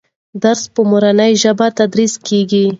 درس په مورنۍ ژبه تدریس کېږي.